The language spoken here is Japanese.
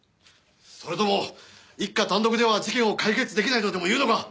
それとも一課単独では事件を解決出来ないとでもいうのか？